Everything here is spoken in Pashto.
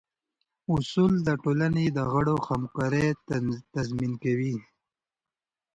اصول د ټولنې د غړو همکارۍ تضمین کوي.